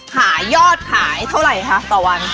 หายอดขายเท่าไหร่คะต่อวัน